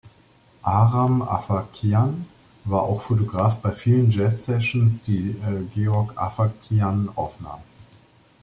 Aram Avakian war auch Fotograf bei vielen Jazz-Sessions, die George Avakian aufnahm.